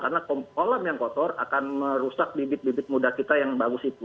karena olam yang kotor akan merusak bibit bibit muda kita yang bagus itu